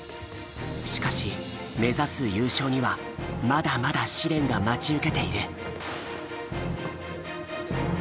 しかし目指す優勝にはまだまだ試練が待ち受けている。